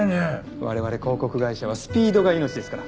我々広告会社はスピードが命ですから。